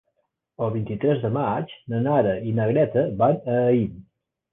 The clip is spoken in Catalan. El vint-i-tres de maig na Nara i na Greta van a Aín.